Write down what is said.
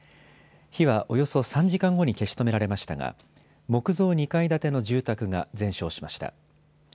火はおよそ３時間後に消し止められましたが木造２階建ての住宅が全焼しました。